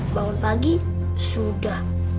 bangun pagi sudah